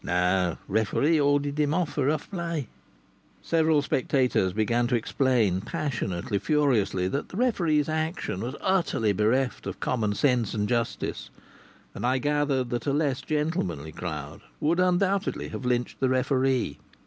"No! Referee ordered him off for rough play." Several spectators began to explain, passionately, furiously, that the referee's action was utterly bereft of common sense and justice; and I gathered that a less gentlemanly crowd would undoubtedly have lynched the referee.